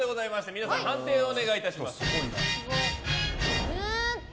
皆さん、判定をお願いします。